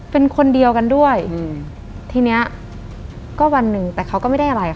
เป็นคนเดียวกันด้วยอืมทีเนี้ยก็วันหนึ่งแต่เขาก็ไม่ได้อะไรค่ะ